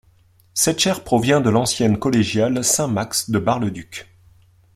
Cette chaire provient de l'ancienne collégiale Saint-Maxe de Bar-le-Duc.